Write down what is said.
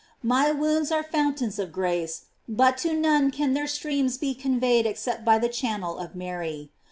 My wounds are fountains of grace, but to none can their streams be conveyed ex cept by the channel of Mary.